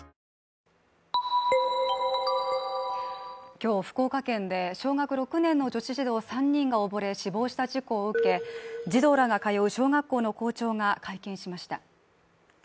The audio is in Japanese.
今日、福岡県で小学６年の女子児童３人が溺れ死亡した事故を受け、児童らが通う小学校の校長が会見しました。